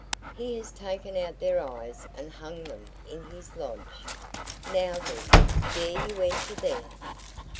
He has taken out their eyes and hung them in his lodge. Now, then! Dare you enter there?"